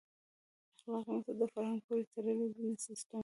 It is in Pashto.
اخلاقي مسایل د فرهنګ پورې تړلي دي نه د سیسټم.